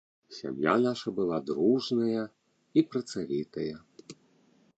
Сям'я наша была дружная і працавітая.